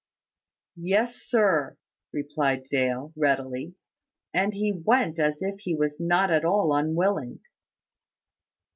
"Yes, sir," replied Dale, readily; and he went as if he was not at all unwilling.